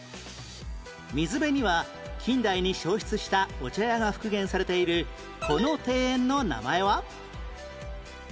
水辺には近代に消失した御茶屋が復元されているこの庭園の名前は？